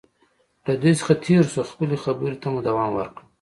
له دوی څخه تېر شو، خپلې خبرې ته مو دوام ورکړ.